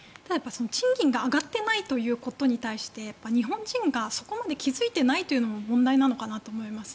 賃金が上がっていないということに対して日本人がそこまで気付いていないというのも問題なのかなと思います。